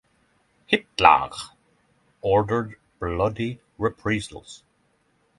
Hitler ordered bloody reprisals.